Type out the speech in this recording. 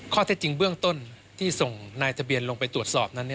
ข้อเท็จจริงเบื้องต้นที่ส่งนายทะเบียนลงไปตรวจสอบนั้น